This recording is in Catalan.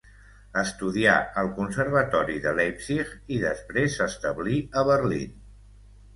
Estudià al Conservatori de Leipzig i després s'establí a Berlín.